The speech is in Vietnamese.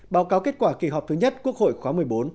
báo cáo kết quả kỳ họp thứ nhất quốc hội khóa một mươi bốn